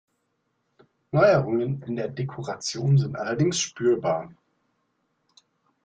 Neuerungen in der Dekoration sind allerdings spürbar.